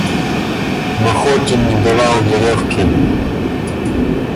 Махотин не давал веревки.